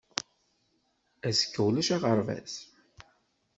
Azekka ulac aɣerbaz.